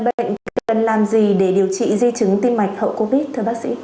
bệnh cần làm gì để điều trị di chứng tim mạch hậu covid thưa bác sĩ